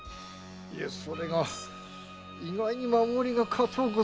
いやそれが意外に守りが固うございまして。